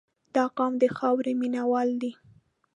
• دا قوم د خاورې مینه وال دي.